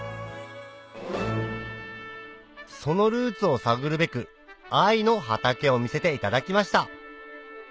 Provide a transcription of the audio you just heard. そのルーツを探るべく藍の畑を見せていただきました